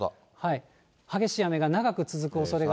激しい雨が長く続くおそれが。